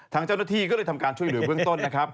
ทางเจ้าหน้าที่ก็เลยทำการช่วยเหลือเบื้องต้นนะครับ